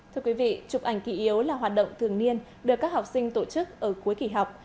thưa quý vị chụp ảnh kỷ yếu là hoạt động thường niên được các học sinh tổ chức ở cuối kỳ học